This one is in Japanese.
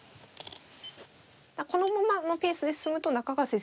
このままのペースで進むと中川先生